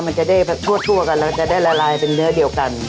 มันจะได้ทั่วกันเราจะได้ละลายเป็นเนื้อเดียวกัน